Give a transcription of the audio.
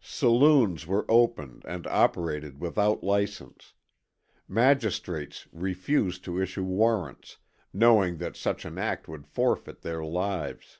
Saloons were opened and operated without license. Magistrates refused to issue warrants, knowing that such an act would forfeit their lives.